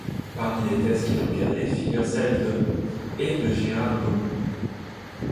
Parmi les thèses qu'il a encadrées figurent celles de et de Gérard Laumon.